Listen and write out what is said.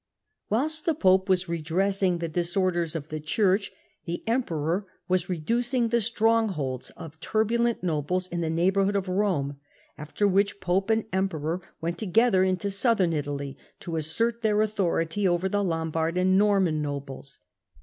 Whilst the Pope was redressing the disorders of the Church, the emperor was reducing the strongholds The Nor ^^ turbulent nobles in the neighbourhood of soShSn Eon^©> aft^r which pope and emperor went Italy together into Southern Italy to assert their authority over the Lombard and Norman nobles.